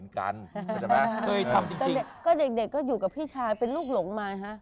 ก็เด็กก็อยู่กับพี่ชายเป็นลูกหลงมา